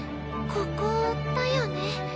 ここだよね？